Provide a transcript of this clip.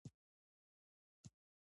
زما په اند موږ د خوشال خان نورې قصیدې